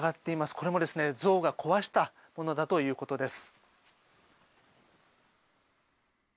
これも、ゾウが壊したものだということです。